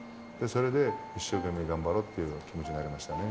それで一生懸命頑張ろうっていう気持ちになりましたね。